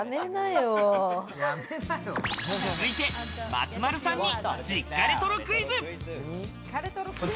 続いて松丸さんに実家レトロクイズ。